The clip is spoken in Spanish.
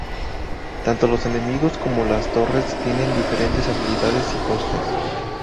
Tanto los enemigos como las torres tienen diferentes habilidades y costes.